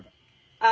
ああ。